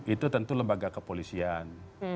itu tentu lembaga kepolisian